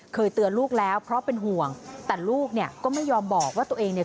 เคยเตือนลูกแล้วเพราะเป็นห่วงแต่ลูกเนี่ยก็ไม่ยอมบอกว่าตัวเองเนี่ย